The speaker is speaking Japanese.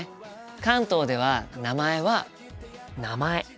関東では名前は「名前」。